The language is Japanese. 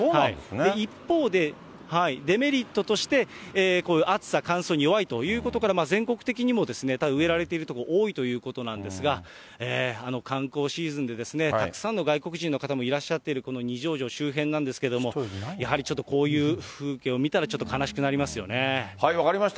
一方で、デメリットとして、こういう暑さ、乾燥に弱いということから、全国的にも、植えられている所、多いということなんですが、観光シーズンでたくさんの外国人の方もいらっしゃってる、この二条城周辺なんですけれども、やはりちょっとこういう風景を見たら分かりました。